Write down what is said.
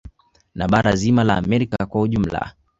Na bara zima la Amerika kwa ujumla